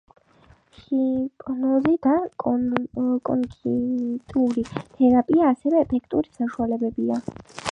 ჰიპნოზი და კოგნიტიური თერაპია ასევე ეფექტური საშუალებებია.